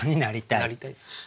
なりたいっす。